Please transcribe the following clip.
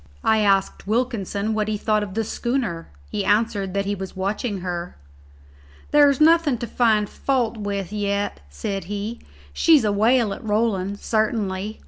I asked Wilkinson what he thought of the schooner. He answered that he was watching her. "There's nothing to find fault with yet," said he; "she's a whale at rolling, sartinly.